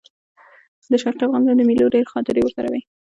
د شرقي افغانستان د مېلو ډېرې خاطرې ورسره وې.